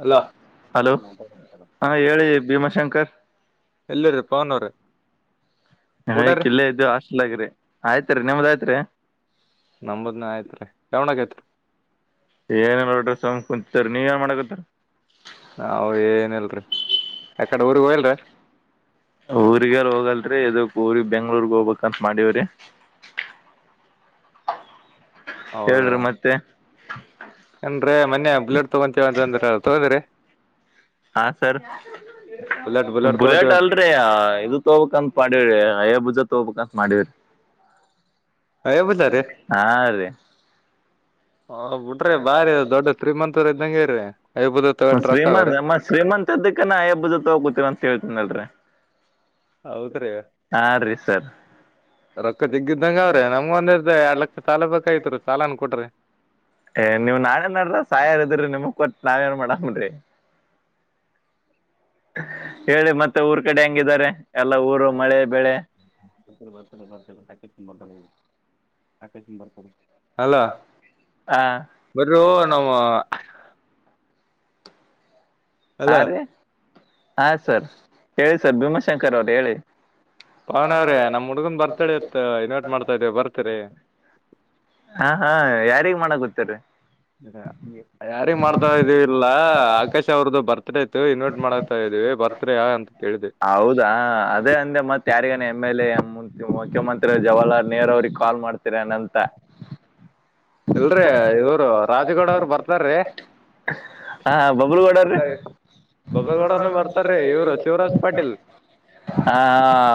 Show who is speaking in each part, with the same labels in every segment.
Speaker 1: Hello
Speaker 2: hello ಹಾ ಹೇಳಿ ಭೀಮಾಶಂಕರ್
Speaker 1: ಎಲ್ಲರಿ ಫೋನುರಿ
Speaker 2: ಕ್ ಇಲ್ಲೇ ಇದ್ದು ಹಾಸ್ಲ್ ಆಗ್ರಿ ಆಯ್ತ್ರಿ ನಿಮ್ದಯ್ತ್ರಿ.
Speaker 1: ನಂಮುದ್ನು ಆಯ್ತ್ ರೀ [unintelligible]
Speaker 2: ಏನೂ ಮಾಡ್ಬೇಡ್ ಸುಮ್ಕುಂ
Speaker 1: ನಾವ್ ಏನಿಲ್ರಿ. ಯಾಕಡೆ ಊರಿಗೆ ಹೋಗಿಲ್ರಿ
Speaker 2: ಊರಿಗೆಲ್ಲ ಹೋಗಲ್ರಿ ಇದು ಊರಿ ಬೆಂಗ್ಳೂರ್ಗ್ ಹೋಗ್ಬೇಕಂತ ಮಾಡಿವ್ರಿ. ಹೇಳ್ರಿ ಮತ್ತೆ
Speaker 1: ಅಂದ್ರೆ ಮೊನ್ನೆ ಆ ಬುಲೆಟ್ ತಗೊಂತೀವ ಅಂತ ಅಂದ್ರಿ ತೊಗದಿರಿ.
Speaker 2: ಹಾ ಸರ್
Speaker 1: ಬುಲೆಟ್ ತಗೊಂತೀವಿ
Speaker 2: ಬುಲೆಟ್
Speaker 1: ಅಂತ
Speaker 2: ಅಲ್ರಿ ಆ ಇದು ತೊಗೊಬೇಕ್ಂತ ಮಾಡಿವಿ ಆಯಾ ಬೂಸ ತಗೋಬೇಕಂತ ಮಾಡವ್ರಿ.
Speaker 1: ಏ
Speaker 2: ಹಾ ರಿ.
Speaker 1: ಹ ಬಿಡ್ರಿ ಬಾರಿ ದೊಡ್ಡ ತ್ರಿಮಂತರ್ ಇದ್ದಂಗೆರಿ.
Speaker 2: ಶ್ರಮಂತ್ ಶ್ರೀಮಂತ್ ಇದ್ದಕ್ಕೆ ನಾ ಆಯಾಬೂಸ ತೊಗೋಬೇಕ್
Speaker 1: ಹೌದ್ರಿ
Speaker 2: ಹಾ ರೀ ಸರ್.
Speaker 1: ರೊಕ್ಕ ತೆಗ್ಗಿದ್ದಂಗ ಅವ್ರೆ ನಮ್ಗ್ ಒಂದ ಇರ್ ಎರಡ್ ಲಕ್ಷ ಸಾಲ ಬೇಕ್ ಸ್ನೇಹಿತ್ರ್ಗ್ ಸಾಲ ಹೆಂಗ್ ಕೊಟ್ರಿ.
Speaker 2: ಏ ನೀವು ನಾಳೆ ನಡ್ರ ಸಾಯಾರಿದ್ರಿ ನಿಮ್ ಕೊಟ್ಟ ನಾವ್ನ್ ಮಾಡಮ್ರಿ [inaudible] ಹೇಳಿ ಮತ್ತೆ ಊರ್ ಕಡೆ ಹಂಗಿದಿದ್ದಾರೆ ಎಲ್ಲ ಊರು ಮಳೆ ಬೆಳೆ
Speaker 1: ಬ ಬರ್ತ ಬರ್ತ ತಕಂಬರ್ತ ಆಕ ಸ ಬರ್ತ ಅಲ
Speaker 2: ಆ
Speaker 1: ಬರ ನಮ್ಮ ಅಲ್ಲ
Speaker 2: ಹ ರೀ ಹಾ ಸರ್ ಹೇಳಿ ಸರ್ ಭೀಮಾಶಂಕರ್ ಅವ್ರ ಹೇಳಿ
Speaker 1: ಪವನ್ ಅವ್ರೆ ನಮ್ ಹುಡ್ಗನ್ ಬರ್ತಾಳ ಇತ್ ಇನ್ವೈಟ್ ಮಾಡ್ತಾ ಇದವ ಬರ್ತರಿ
Speaker 2: ಹಾ ಹಾ ಯಾರಿಗ್ ಮಾಡಕ್ ಗೊತ್ತ್ರೀ
Speaker 1: ಯಾರಿ ಮಾಡ್ತಾ ಇದ ಇಲ್ಲ ಆಕಾಶ್ ಅವ್ರದ್ದು ಬರ್ತ ಇನ್ವರ್ಟ್ ಮಾಡತಾ ಇದ್ದೀವಿ ಬರ್ತ್ ಅಂತ ಕೇಳಿದ್
Speaker 2: ಹೌದಾ ಅದೇ ಅಂದೆ ಮತ್ತತ್ ಯಾರಿಗೇ ಎಮ್ ಎಲ್ ಎ ಮುಖ್ಯಮಂತ್ರಿ ಜವಾಹರ್ಲಾಲ್ ನೆಹರು ಅವ್ರಿಗೆ ಕಾಲ್ ಮಾಡ್ತೀರನಂತ
Speaker 1: ಇಲ್ರಿ ಇವರು ರಾಜಗೌಡ ಅವರು ಬರ್ತಾರೀ
Speaker 2: ಹಾ ಬಬಲುಗಡೀ
Speaker 1: ಬಬ್ಬೇಗೌಡನು ಬರ್ತಾರ್ರಿ ಇವ್ರು ಶಿವರಾಜ್ ಪಾಟೀಲ್
Speaker 2: ಹ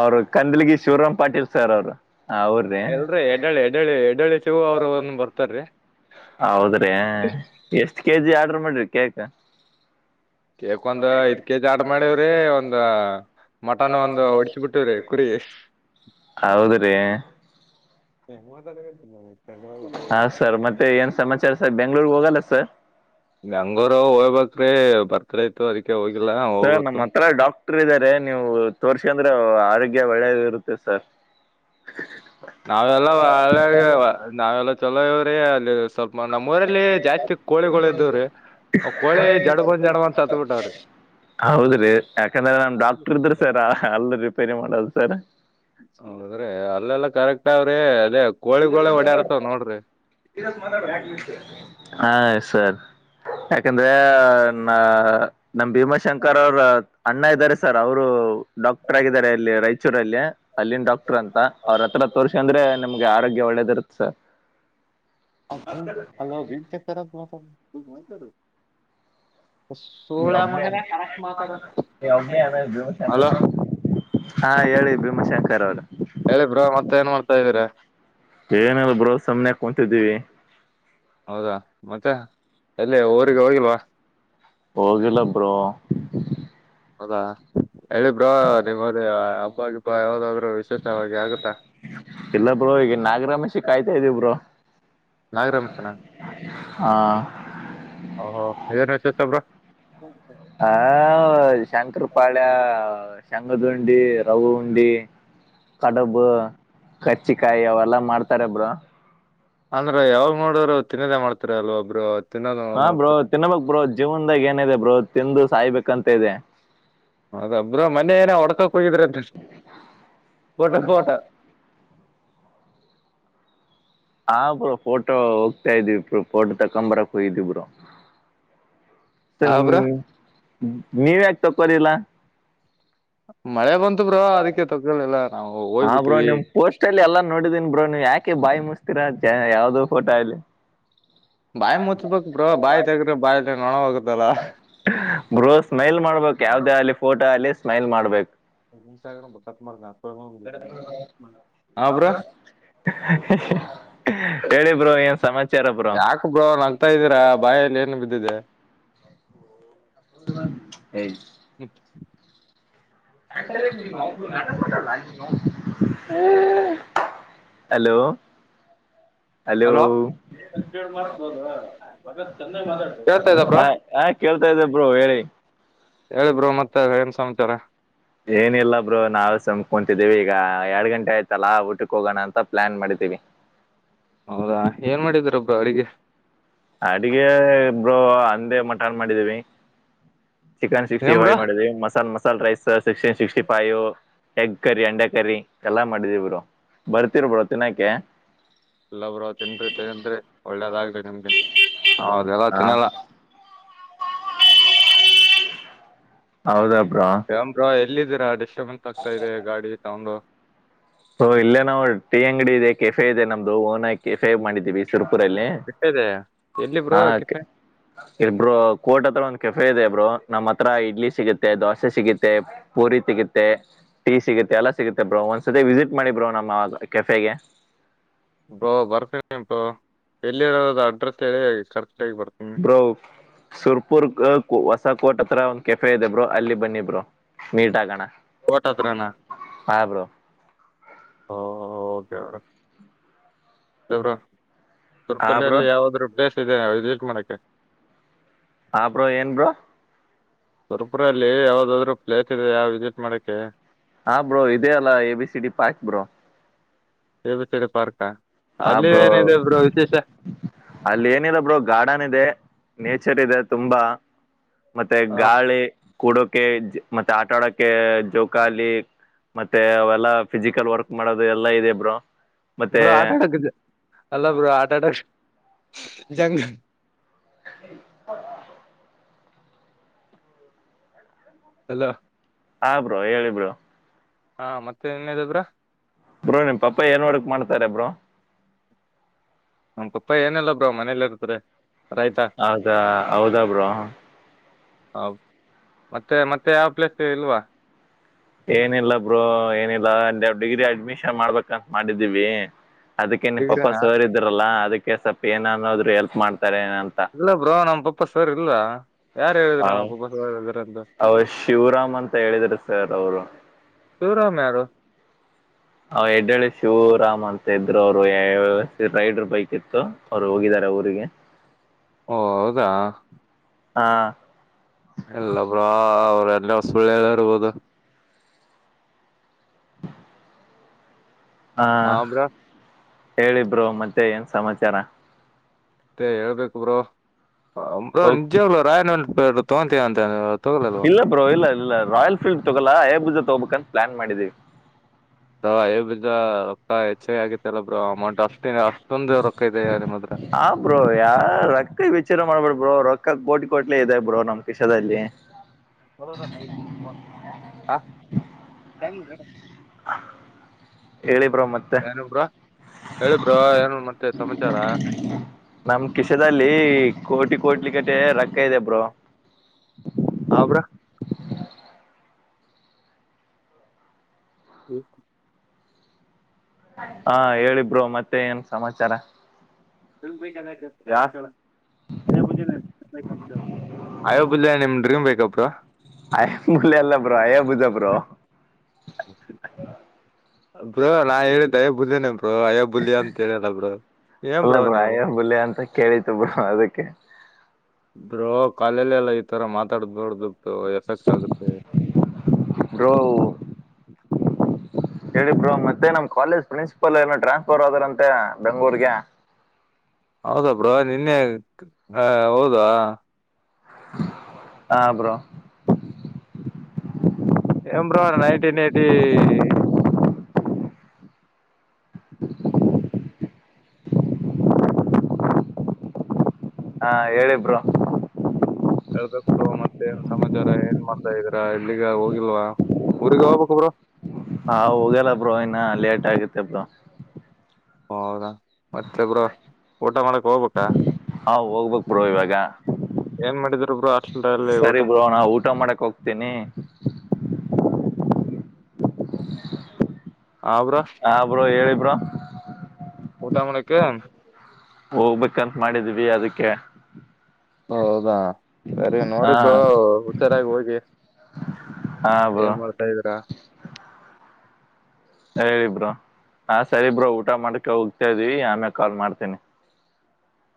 Speaker 2: ಅವರು ಕಂದಲಗಿ ಶಿವರಾಮ್ ಪಾಟೀಲ್ ಸರ್ ಅವ್ರು ಹಾ ಅವಊರದೇ
Speaker 1: ಎಲ್ರಿ ಎಡಳಿ ಎಡಳಿ ಎಡಳಿ ಶಿವ ಅವ್ರು ಒಂದ್ ಬರ್ತಾರ್ರಿ
Speaker 2: ಹೌದ್ರಿ ಎಷ್ಟ ಕೆಜಿ ಆರ್ಡ್ರ ಮಾಡ್ರಿ ಕೇಕ
Speaker 1: ಕೇಕ್ ಒಂದ್ ಐದ್ ಕೆಜಿ ಆಡ್ ಮಾಡವ್ರಿ ಒಂದ ಮಟನ್ ಒಂದು ಹೊಡಿಸಬಿಟ್ಟ್ರಿ ಕುರಿ
Speaker 2: ಹೌದ್ರೆ
Speaker 1: ಹ ಮೂ ತ ಕತ
Speaker 2: ಹಾ ಸರ್ ಮತ್ತೆ ಏನ್ ಸಮಾಚಾರ ಸರ್ ಬೆಂಗ್ಳೂರ್ ಹೋಗಲ್ಲ ಸರ್
Speaker 1: ಬರ್ತ್ಡೇ ಇತ್ತು ಅದ
Speaker 2: ಸರ್ ನಮ್ಮ್ ಹತ್ರ ಡಾಕ್ಟರ್ ಇದಾರೆ ನೀವು ತೋರ್ಸಿ ಅಂದ್ರೆ ಆರೋಗ್ಯ ಒಳ್ಳೇದ ಇರುತ್ತೆ ಸರ್
Speaker 1: ನಾವೆಲ್ಲ ಒಳ್ಳ ನಾವೆಲ್ಲ ಚಲೋ ಇವ್ರಿ ಅಲ್ಲಿ ಸ್ವಲ್ಪ ಮ ನಮ್ಮ್ ಊರಲ್ಲಿ ಜಾಸ್ತಿ ಕೋಳಿಗಳ ಇದವ್ರೆ ಕೋಳಿ ಜಡ್ ಬಂದ್ ಜಡ್ ಬಂದ ಸತ್ ಬಿಟ್ಟವ್ರಿ
Speaker 2: ಹೌದ್ರಿ ಯಾಕಂದ್ರೆ ನಮ ಡಾಕ್ಟರ್ ಇದ್ರ ಸರ್ ಅಲ್ ರಿಪೇರಿ ಮಾಡದು ಸರ್
Speaker 1: ನೋಡದ್ರೆ ಅಲ್ಲೆಲ್ಲಾ ಕರೆಕ್ಟ್ ಅವ್ರಿ ಅದೇ ಕೋಳಿಗಳೇ ಓಡಾಡ್ತಾವ್ ನೋಡ್ರಿ
Speaker 2: ಹಾ ಸರಿ ಯಾಕಂದ್ರೆ ನ ನಮ್ ಭೀಮಾಶಂಕರ್ ಅವರ ಅಣ್ಣ ಇದ್ದಾರೆ ಸರ್ ಅವರು ಡಾಕ್ಟರ್ ಆಗಿದ್ದಾರೆ ಅಲ್ಲಿ ರಾಯಚೂರು ಅಲ್ಲಿನ ಡಾಕ್ಟರ್ ಅಂತ ಅವ್ರ ಹತ್ರ ತೋರ್ರಿಸಿ ಅಂದ್ರೆ ನಮ್ಗೆ ಯಾರ ಹದಸ
Speaker 1: ಅಲ ವೀ ಚೆ
Speaker 2: ನೀ ಒಮ್ಮೆ ನೀ ಒಮ್ಮೆ ಅ
Speaker 1: ಹಲೋ
Speaker 2: ಹಾ ಹೇಳಿ ಭೀಮಾಶಂಕರ್ ಅವರು
Speaker 1: ಹೇಳಿ ಬ್ರೋ ಮತ್ತೆ ಏನ್ ಮಾಡ್ತಾ ಇದೀರಾ
Speaker 2: ಏನಲ್ಲ ಬರ ಸನೆಯ ಕುಂತಿದ್ದೀವಿ
Speaker 1: ಹೌದಾ ಮತ್ತೆ ಅಲ್ಲೇ ಊರಿಗೆ ಹೋಗಿಲ್ವಾ
Speaker 2: ಹೋಗಿಲ್ಲ ಬ್ರೋ
Speaker 1: ಹೌದಾ ಹೇಳಿಬ್ರಾ ನಿಮ್ಮದ ಅಬ್ಬ ಗಿಬ್ಬಾ ಯಾವ್ದಾದ್ರರು ವಿಶೇಷವಾಗಿ ಆಗುತ್ತಾ
Speaker 2: ಇಲ್ಲ ಬ್ರೋ ಈಗ ನಾಗರಾಮಸಿ ಕಾಯ್ತಾ ಇದ್ದೀ ಬ್ರೋ
Speaker 1: ನಾಗರಮಸನ
Speaker 2: ಹಾ
Speaker 1: ಹ ಏನ್ ಹೆಚ್ಚತ್ಬ್ರ
Speaker 2: ಹ ಶಂಕರ ಪಾಳ್ಯ ಶಂಗದುಂಡಿ ರಹ ಉಂಡಿ ಕಡಬು ಕಚ್ಚಿಕಾಯಿ ಅವೆಲ್ಲಾ ಮಾಡ್ತಾರಬರು
Speaker 1: ಅಂದ್ರ ಯಾವಾಗ್ ನೋಡರು ತಿನ್ನದೇ ಮಾಡ್ತಾರ ಅಲ್ವ ಒಬ್ರು
Speaker 2: ಹಾ ಬ್ರೋ ತಿನ್ಬೇಕಕ್ ಬ್ರೋ ಜೀವನ್ದಾಗ ಏನಿದೆ ಬ್ರೋ ತಿಂದು ಸಾಯ್ಬೇಕಂತ ಇದೆ
Speaker 1: [unintelligible] ಮನೆಯನ ವಡ್ಕಕ್ ಕೊಯಿದ್ರ [unintelligible] ತೋಟ
Speaker 2: ಹಾ ಬ್ರೊ ಫೋಟೋ ಹೋಗ್ತಾ ಇದ್ವಿ ಬ್ರೊ ಫೋಟೋ ತಕೊಂಬರಕ್ ಹೋಗಿದವಿ ಬ್ರೊ
Speaker 1: ಆ
Speaker 2: ತಿನ್
Speaker 1: ಬ್ರೋ
Speaker 2: ನೀವ್ ಯಾಕ್ ತಕೊರಿಲ್ಲ
Speaker 1: ಮಳೆ ಬಂತು ಬ್ರೋ ಅದಕ್ಕೆ ತಗೊಳಿಲ್ಲ ನಾವು
Speaker 2: ಹಾ ಬ್ರೋ
Speaker 1: ಹೋಗ್ಬಿಟ್ವಿ
Speaker 2: ನಿಮ್ ಪೋಸ್ಟ್ ಅಲ್ಲಿ ಎಲ್ಲಾ ನೋಡಿದೀನ್ ಬ್ರೋ ನಿ ಯಾಕೆ ಬಾಯಿ ಮುಸ್ತಿರಾ ಯಾವ್ದೋ ಫೋಟೋ ಅಲಿ
Speaker 1: ಬಾಯಿ ಮುತ್ಬೇಕ್ ಬ್ರೊ ಬಾಯಿ ತೆಗ್ರ ಬಾಯಿ ನೊಣೋಗತ್ತಲ್ಲ
Speaker 2: ಬ್ರೊ ಸ್ಮೈಲ್ ಮಾಡ್ಬೇಕಕ್ ಯಾವ್ದೇ ಅಲಿ ಫೋಟೋ ಅಲ್ಲಿ ಸ್ಮೈಲ್ ಮಾಡ್ಬೇಕು
Speaker 1: ಇನ್ಸ್ಟಾಗ್ರಾಮ್ ಬಕತ್ ಮಾಡ್ದ ಬ್ರೋ
Speaker 2: ಹೇಳಿ ಬ್ರೊ ಗುರು ಏನ್ ಸಮ
Speaker 1: ಯಾಕ ಬ್ರೋ ನಗ್ತಾ ಇದ್ದೀರಾ ಬಾಯಲ್ಲಿ ಏನು ಬಿದ್ದಿದೆ
Speaker 2: ಏಯ್ [unintelligible] ನೀನು ಹಲೋ ಹಲೋ
Speaker 1: ಕೇಳ್ತಾ ಇದ್ದ ಬ್ರೋ
Speaker 2: ಹಾ ಹಾ ಕೇಳ್ತಾ ಇದ್ದೇ ಬ್ರೋ ಹೇಳಿ [inaudible]
Speaker 1: ಹೇಳಿ ಬ್ರೊ ಮತ್ತೆ ಏನ್ ಸಮಾಚಾರ
Speaker 2: ಏನಿಲ್ಲ ಬ್ರೊ ನಾವೆ ಸಮಕೊಂತಿದ್ದೀವಿ ಈಗ ಎರಡ್ ಗಂಟೆ ಆಯ್ತಲ್ಲಾ ಊಟಕ್ಕೆ ಹೋಗೋಣ ಅಂತ ಪ್ಲಾನ್ ಮಾಡಿದ್ದೀವಿ [inaudible]
Speaker 1: ಹೌದಾ ಏನ್ ಮಾಡಿದಿರ ಬ್ರೊ ಅಡಿಗೆ
Speaker 2: ಅಡಿಗೆ ಬ್ರೊ ಅಂದೇ ಮಠನ್ ಮಾಡಿದಿವಿ ಚಿಕನ್ ಸಿಕ್ಸ್ಟಿ
Speaker 1: ಏನ್
Speaker 2: ಫೈವ
Speaker 1: ಬ್ರೋ
Speaker 2: ಮಾಡಿದೀವಿ ಮಸಾಲ್ ಮಸ್ತ್ masala rice sixty sixty five egg curry ಅಂಡೆ ಕರಿ ಎಲ್ಲಾ ಮಾಡಿದಿವಿ ಬರ್ತಿ ಬ್ರೊ ತಿನ್ನಕೆ
Speaker 1: ಇಲ್ಲ ಬ್ರೊ ತಿನ್ರಿ ತಿನ್ರಿ ಬ್ರೊ ಒಳ್ಳೇದಾಗ್ಲಿ ನಿಮ್ಗೆ ಅದೆಲ್ಲ
Speaker 2: ಹಾ
Speaker 1: ತಿನ್ನಲ್ಲ
Speaker 2: ಹೌದ ಬ್
Speaker 1: ಯಮ್ ಬ್ರೊ ಎಲ್ಲಿದ್ದೀರಾ ಡಿಸ್ಟರ್ಬೆನ್ಸ್ ಆಗ್ತಾ ಇದೆ ಗಾಡಿ ಸೌಂಡು
Speaker 2: ಸೊ ಇಲ್ಲೇ ನಾವು ಟಿ ಅಂಗಡಿ ಇದೆ ಕೆಫೆ ಇದೆ ನಮ್ದು ಓನ ಕೆಫೆ ಮಾಡಿದಿವಿ
Speaker 1: ಎಷ್ಟದೆ
Speaker 2: ಹಾಂ ಓಕೆ ಎ ಬ್ರೊ ಕೋರ್ಟ್ ಹತ್ರ ಒಂದ್ ಕೆಫೆ ಇದೆ ಬ್ರೊ ನಮ್ಮ್ ಹತ್ರ ಇಡ್ಲಿ ಸಿಗುತ್ತೆ ದೋಸೆ ಸಿಗುತ್ತೆ ಪೂರಿ ಸಿಗತ್ತೆ ಟೀ ಸಿಗುತ್ತೆ ಎಲ್ಲಾ ಸಿಗುತ್ತೆ ಬ್ರೌನ್ಸ್ [unintelligible] ವಿಸಿಟ್ ಮಾಡಿಬ್ರೋ ನಮ್ಮ ಕೆಫಗೆ
Speaker 1: ಬ್ರೊ ಬರ್ತೀನ ಬ್ರೊ ಎಲ್ಲಿರೋದು ಅಡ್ರೆಸ್ ಹೇಳಿ [unintelligible]
Speaker 2: ಬ್ರೋ ಸುರಪುರ್ [unintelligible] ಕೋರ್ಟ್ ಹತ್ರ ಒಂದ್ ಕೆಫೆ ಇದೆ ಬ್ರೊ ಅಲ್ಲಿ ಬನ್ನಿ ಬ್ರೊ ಮೀಟ್ ಆಗಣ
Speaker 1: ಕೋರ್ಟ್ ಹತ್ರನ ಹೊ ಹೌದ [unintelligible]
Speaker 2: ಹಾ ಬ್ರೋ
Speaker 1: ತುರ್ಪನಲ್ಲಿ ಯಾವುದ್ರು ಪ್ಲೇಸ್ ಇದಿಯ ವಿಸಿಟ್ ಮಾಡೋಕೆ
Speaker 2: ಹ ಬ್ರೋ ಏನ್ ಬ್ರೋ
Speaker 1: ಸುರ್ಪುರಲ್ಲಿ ಯಾವ್ದಾದ್ರು ಪ್ಲೇಸ್ ಇದೆಯ ವಿಸಿಟ್ ಮಾಡಕೆ
Speaker 2: ಹಾ ಬ್ರೋ ಇದೆ ಅಲ್ಲ A B C D park bro
Speaker 1: [unintelligible] ಪಾರ್ಕಾ
Speaker 2: ಆ ಬ್ರೋ ಅಲ್ಲಿ ಏನಿಲ್ಲ ಬ್ರೋ ಗಾರ್ಡನ್ ಇದೆ ನೇಚರ್ ಇದೆ ತುಂಬಾ ಮತ್ತೆ ಗಾಳಿ ಕೂಡೋಕೆ ಮತ್ತೆ ಆಟ ಆಡೋಕ್ಕೆ ಜೋಕಾಲಿ ಮತ್ತೆ ಅವೆಲ್ಲ ಫಿಸಿಕಲ್ ವರ್ಕ್ ಮಾಡೋದು ಎಲ್ಲ ಇದೆ ಬ್ರೊ ಮತ್ತೆ
Speaker 1: ಬ್ರೋ ಆಟ ಅಲ್ಲ ಬ್ರೊ ಆಟ ಆಟ ಜಂಗ್
Speaker 2: [inaudible]
Speaker 1: ಅಲ್ಲ
Speaker 2: ಆ ಬ್ರೋ ಹೇಳಿ ಬ್ರೋ
Speaker 1: ಹಾ ಮತ್ತೆ ನ್ದಬ್ರ
Speaker 2: ಬ್ರೋ ನಿಮ್ಮ ಪಾಪ್ಪ ಏನ್ ಒಡುಕ್ ಮಾಡ್ತಾರ ಬ್ರೋ
Speaker 1: ನಪಪ್ಪ ಏನೆಲ್ಲ ಬ್ರ ಮನೇಲಿ ಇರ್ತ್ರ
Speaker 2: ಹೌದಾ ಹೌದ ಬ್ರರು
Speaker 1: ಹೌ ಮತ್ತೆ ಮತ್ತೆ ಯಾವ ಪ್ಲೇಸ್ ಇಲ್ವಾ
Speaker 2: ಏನಿಲ್ಲ ಬ್ರೂ ಏನಿಲ್ಲ ಡಿಗ್ರಿ ಅಡ್ಮಿಷನ್ ಮಾಡ್ಬೇಕಂತ ಮಾಡಿದ್ದೀವಿ ಅದಕ್ಕೆ ನಿನ್ ಪಾಪ
Speaker 1: ಡಿಗ್ರಿನಾ
Speaker 2: ಸೋರಿದ್ರಲ್ಲಾ ಅದಕ್ಕೆ ಸ್ವಪ ಏನ ಅನ್ನೋದ್ರು ಹೆಲ್ಪ್ ಮಾಡ್ತ
Speaker 1: ಇಲ್ಲ ಬ್ರೋ ನಮ್ಮ ಪಪ್ಪ ಸರ್ ಇಲ್ವಾ ಯಾರು
Speaker 2: ಹ
Speaker 1: ಹೇಳಿದ್ರು
Speaker 2: ಅವ ಶಿವರಾಮ ಅಂತ ಹೇಳಿದ್ರ ಸರ್ ಅವರು
Speaker 1: ರಾಮ್ಯ ಯಾರು
Speaker 2: ಅವ ಎಡ್ಳ್ ಶಿವರಾಮ್ ಅಂತ ಇದ್ರು ಅವರು ರೈಡರ್ ಬೈಕ್ ಇತ್ತು ಅವ್ರು ಹೋಗಿದ್ದಾರೆ ಊರಿಗೆ
Speaker 1: ಓ ಹೌದಾ
Speaker 2: ಹಾ
Speaker 1: ಎಲ್ಲಬ್ರ ಅವ್ರ ಎಲ್ಲ ಹೊಸ್ಬಳ್ಳ ಹೇಳ ಇರ್ಬೋದು
Speaker 2: ಹ ಹಾ ಹೇಳಿಬ್ರು ಮತ್ತೆ ಏನ್ ಸಮಾಚಾರ
Speaker 1: ಮತ್ತೆ ಹೇಳ್ಬೇಕು ಬ್ರೋ ಅ್ರ
Speaker 2: ಹೋಗ್
Speaker 1: ನಿಜಾಗ್ಲ ರಾಯನ ಪೇ ತಗೋಂತೀಯ ಅಂತ ತಗೊಳಲ್ವಾ
Speaker 2: ಇಲ್ಲ ಬ್ರೋ ಇಲ್ಲ ಇಲ್ಲ ರಾಯಲ್ ಫೀಲ್ಡ್ ತಗೋಲ್ಲ ಬಜ ತಗೋಬೇಕಂತ ಪ್ಲಾನ್ ಮಾಡಿದೀವಿ
Speaker 1: ಹ ಅಯ ಬಿದ್ರ ರೊಕ್ಕ ಹೆಚ್ಚ ಆಗಿತ್ತಲ್ಲ ಬ್ರರು ಅಮೌಂಟ್ ಆ
Speaker 2: ಆ ಬ್ರೋ ಯಾರ ರೊಕ್ಕ ಬಿಚ್ಚಾರ ಮಾಡ್ಬೇಡ ಬ್ರೋ ರೊಕ್ಕ ಅಕ್ಕ ಕೋಟಿ ಕೋಟ್ಲೆ ಇದೆ ಬ್ರೋ ನಮ್ ಕಷದಲ್ಲಿ
Speaker 1: ಬ ಹ [inaudible]
Speaker 2: ಹೇಳಿಬ್ರ ಮತ್ತೆ
Speaker 1: ಹೇಳಿಬ್ರ ಏನು ಮತ್ತೆ ಸಮಾಚಾರ
Speaker 2: ನಮ್ ಕಿಶದಲ್ಲಿ ಕೋಟಿ ಕೋಟಿಲಿ ಕಟ ರೊಕ್ಕ ಇದೆ ಬ್ರೋ
Speaker 1: ಹಬ್ರಾ ಹ್ಮ
Speaker 2: ಹಾ ಹೇಳಿಬರು ಮತ್ತೆ ಏನ್ ಸಮಾಚಾರ
Speaker 1: ತ ಯ ಅ ಬ [inaudible] ಅಯೋಬಿಲ್ಲಯ ನಿಮ್ ಡ್ರೀಮ್ ಬೇಕಪ್ರ
Speaker 2: ಆಯ ಮುಲೆಲ್ಲ ಬ್ರೋ ಬದ ಬ್ರೋ
Speaker 1: ಬ್ರೋ ನಾ ಹೇಳಿದ್ದವೆ ಬುದನ ಅಯೋ ಬುಲ್ಯ ಅಂತ ಹೇಳಲ್ಲ ಬರು ಏನ್
Speaker 2: ಅಲ್ಲ
Speaker 1: ಬ್ರ
Speaker 2: ಬ್ರೋ
Speaker 1: ನೀವು
Speaker 2: ಆಯಾ ಬುಲೆ ಅಂತ ಕೇಳಿತು ಬ ಅದಕ್ಕೆ
Speaker 1: ದ್ರೋ ಕಾಲಲೆ ಎಲ್ಲ ಈ ತರ ಮಾತಾಡ ದದುಡ್ದು ಎಫೆಕ್ಟ್ಸ್ ಆಗುತ್ತೆ
Speaker 2: ರ ಹೇಳಿಬ್ರೋ ಮತ್ತೆ ನಮ್ ಕಾಲೇಜ್ ಪ್ರಿನ್ಸಿಪಲ್ ಏನ ಟ್ರಾನ್ಸ್ಫರ್ ಆದಾರಂತೆ ಬೆಂಗಳೂರ್ ಗೆ ಹ
Speaker 1: ಹೌದಾ ಬ್ರ ನಿನ್ನೆ ಹ ಹೌದಾ
Speaker 2: ಹ ಬ್ರೋ
Speaker 1: ಏ ನೈನ್ಟೀನ್ ಏಯ್ಟಿ
Speaker 2: ಹಾ ಹೇಳಿಬರು
Speaker 1: ಹೇಳ್ಬೇಕಕ್ ಬ್ರೋ ಮತ್ತೆ ಏನ್ ಸಮಾಚಾರ ಏನ್ ಮಾಡ್ತಾ ಇದಿದೀರಾ ಎಲ್ಲಿಗ ಹೋಗಿಲ್ವಾ ಊಗಬ ಕೊಬರ
Speaker 2: ಹಾ ಹೋಗಲ್ಲ ಬ್ರೋ ಇನ್ನ ಲೇಟ್ ಆಗತ್ತ ಬ್ರೋ
Speaker 1: ಹೌದಾ ಮತ್ತೊಬ್ರ ಊಟ ಮಾಡಕ್ ಹೋಗ್ಬೇಕ
Speaker 2: ಹಾ ಹೋಗ್ಬೇಕ್ ಬ್ರೋ ಇವಾಗ
Speaker 1: ಏನ್ ಮಾಡಿದ್ರ ಬ್ರೋ ಹಾಸ್ಟೆಲ್ ಅಲ್ಲಿ ಊಟ
Speaker 2: ಸರಿ ಬ್ರೋ ನಾ ಊಟ ಮಾಡಕ್ ಹೋಗ್ತೀನಿ
Speaker 1: ಆ ಬ್ರೋ
Speaker 2: ಹ ಬ್ರೋ ಹೇಳಿ ಬ್ರೋ
Speaker 1: ಊಟ ಮಾಡಕ್ಕೆ
Speaker 2: ಹೋಗ್ಬೇಕಂತ ಮಾಡಿದೀವಿ ಅದಕ್ಕೆ
Speaker 1: ಹೌದಾ ಸರಿ ನೋಡಿ
Speaker 2: ಹಾ
Speaker 1: ಬ್ರೋ ಹುಷಾರಾಗಿ ಹೋಗಿ
Speaker 2: ಹಾ ಬ್ರೋ
Speaker 1: ಏನ್ ಮಾಡ್ತಾ ಇದ್ರಾ
Speaker 2: ಹೇಳಿಬ್ರರು ಹಾ ಸರಿಬ್ರರು ಊಟ ಮಾಡಕ್ಕೆ ಹೋಗ್ತಾ ಇದೀವಿ ಆಮೇ ಕಾಲ್ ಮಾಡ್ತೇನಿ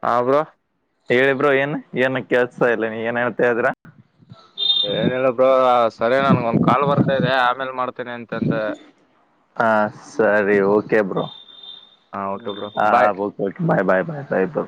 Speaker 1: ಹ ಬ್ರೋ
Speaker 2: ಹೇಳಿ ಬ್ರೋ ಏನ್ ಏನ್ ಕೇಳ್ತಾ ಇಲ್ಲ ನೀ ಏನ್ ಹೇಳ್ತ ಇದ್ರ
Speaker 1: ಏನಿಲ್ಲ ಬ್ರೋ ಸರಿ ನನ್ಗ ಒಂದ್ ಕಾಲ್ ಬರ್ತಾ ಇದೆ ಆಮೇಲ್ ಮಾಡ್ತೇನಿ ಅಂತಂದ
Speaker 2: ಹಾ ಸರಿ ಓಕೆ ಬ್ರೋ
Speaker 1: ಹಾ ಓಕೆ ಬ್ರೋ
Speaker 2: ಹಾ
Speaker 1: ಬಾಯ್
Speaker 2: ಬತ ಬಾಯ್ ಬಾಯ್ ಬಾಯ್ ಬಾಯ್